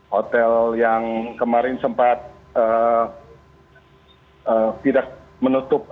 hotel yang kemarin sempat